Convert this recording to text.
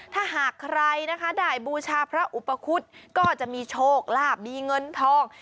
ถ้าหากใครนะคะได้บูชาพระอุปคุฎก็จะมีโชคลาภมีเงินทอง